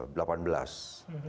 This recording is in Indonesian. dan meja ini